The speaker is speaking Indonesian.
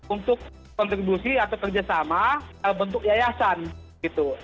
untuk kontribusi atau kerjasama bentuk yayasan gitu